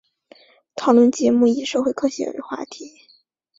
讨论节目以社会科学为话题。